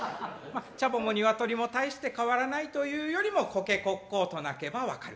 チャボもニワトリも大して変わらないというよりもコケコッコーと鳴けば分かる。